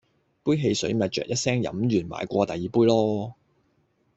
杯汽水咪啅一聲飲完買過第二杯囉